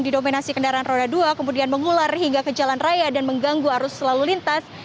didominasi kendaraan roda dua kemudian mengular hingga ke jalan raya dan mengganggu arus lalu lintas